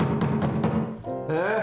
・えっ？